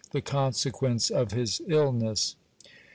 The consequence of his illness.